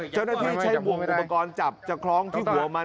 เจ้าหน้าที่ใช้บวงอุปกรณ์จับจะคล้องที่หัวมัน